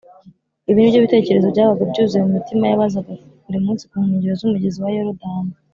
Ibi ni byo bitekerezo byabaga byuzuye mu mitima y’abazaga buri munsi ku nkengero z’umugezi wa Yorodani.